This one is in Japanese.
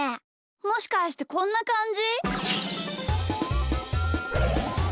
もしかしてこんなかんじ？